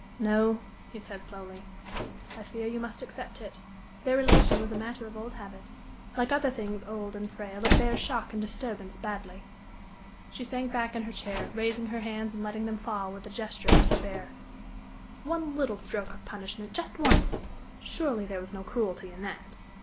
"No," he said, slowly, "I fear you must accept it. Their relation was a matter of old habit. Like other things old and frail, it bears shock and disturbance badly." She sank back in her chair, raising her hands and letting them fall with a gesture of despair. One little stroke of punishment just one! Surely there was no cruelty in that.